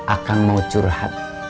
aku mau curhat